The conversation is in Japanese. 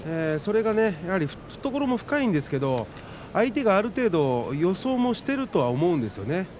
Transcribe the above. それが懐も深いんですが相手がある程度予想もしていると思うんですよね。